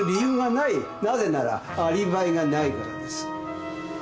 なぜならアリバイがないからです。